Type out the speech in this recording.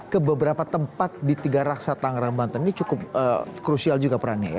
ke beberapa tempat di tiga raksa tangerang banten ini cukup krusial juga perannya ya